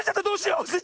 どうしよう